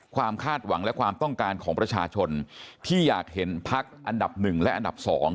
คาดหวังและความต้องการของประชาชนที่อยากเห็นพักอันดับ๑และอันดับ๒